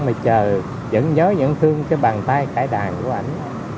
mà chờ vẫn nhớ vẫn thương cái bàn tay cải đàn của anh